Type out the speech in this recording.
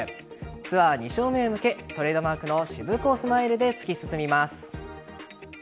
ツアー２勝目へ向けトレードマークのシブコスマイルて突き進みます。